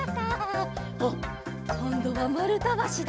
あっこんどはまるたばしだ。